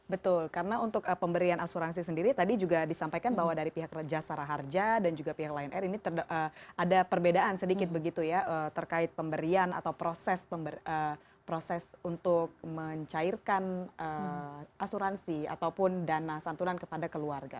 betul karena untuk pemberian asuransi sendiri tadi juga disampaikan bahwa dari pihak raja sara harja dan juga pihak lion air ini ada perbedaan sedikit begitu ya terkait pemberian atau proses untuk mencairkan asuransi ataupun dana santunan kepada keluarga